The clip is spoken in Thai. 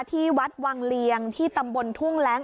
ที่วัดวังเลียงที่ตำบลทุ่งแร้ง